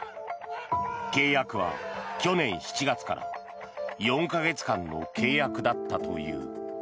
契約は去年７月から４か月間の契約だったという。